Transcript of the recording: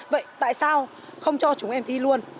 vậy tại sao không cho chúng em thi luôn